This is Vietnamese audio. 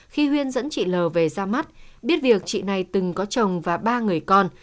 khi huyền dẫn chị lờ về ra mắt biết việc chị này từng có chồng và ba người con